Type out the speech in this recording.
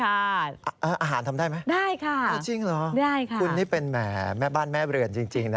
อาหารทำได้ไหมได้ค่ะจริงเหรอได้ค่ะคุณนี่เป็นแหมแม่บ้านแม่เรือนจริงนะ